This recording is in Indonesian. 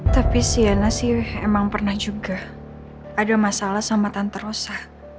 tapi siana sih emang pernah juga ada masalah sama tante rosa